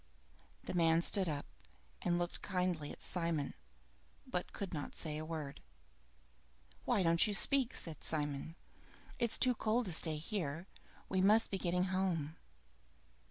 The man stood up and looked kindly at Simon, but could not say a word. "Why don't you speak?" said Simon. "It's too cold to stay here, we must be getting home.